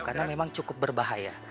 karena memang cukup berbahaya